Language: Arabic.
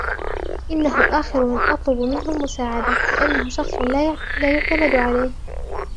إنه آخر من أطلب منه المساعدة لأنه شخص لا يعتمد عليه.